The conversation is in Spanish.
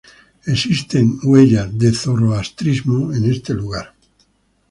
Existen las huellas de Zoroastrismo en este lugar.